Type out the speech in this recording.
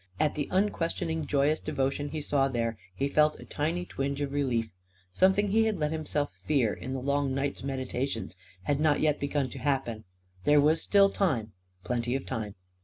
At the unquestioning joyous devotion he saw there, he felt a tiny twinge of relief. Something he had let himself fear, in the long night's meditations, had not yet begun to happen. There was still time, plenty of time.